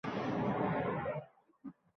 Bugun dunyo g’oyatda go’zal